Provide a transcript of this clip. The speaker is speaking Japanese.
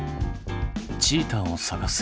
チーターを探す。